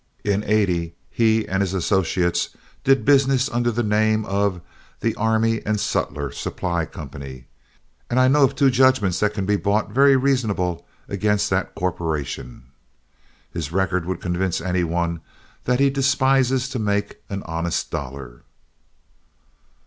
In '80 he and his associates did business under the name of The Army & Sutler Supply Company, and I know of two judgments that can be bought very reasonable against that corporation. His record would convince any one that he despises to make an honest dollar."